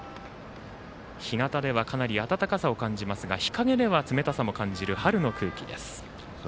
日なたではかなり暖かさを感じますが日陰では冷たさも感じる春の空気です。